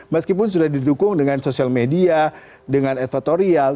meskipun sudah didukung dengan sosial media dengan estorial